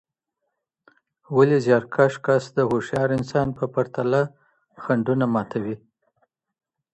ولي زیارکښ کس د هوښیار انسان په پرتله خنډونه ماتوي؟